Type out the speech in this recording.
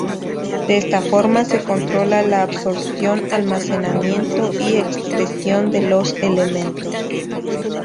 De esta forma se controla la absorción, almacenamiento y excreción de los elementos.